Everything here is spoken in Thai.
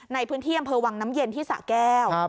ในพื้นที่อำเภอวังน้ำเย็นที่สะแก้ว